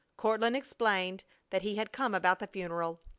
Courtland explained that he had come about the funeral.